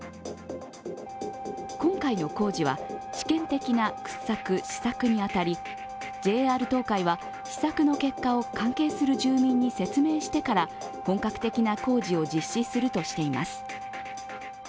今回の工事は試験的な掘削試削に当たりＪＲ東海は試掘の結果を関係する住民に説明してから本格的な工事を実施するとしています。